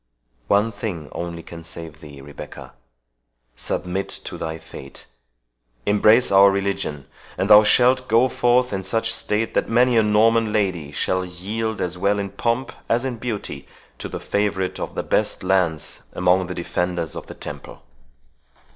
One thing only can save thee, Rebecca. Submit to thy fate—embrace our religion, and thou shalt go forth in such state, that many a Norman lady shall yield as well in pomp as in beauty to the favourite of the best lance among the defenders of the Temple."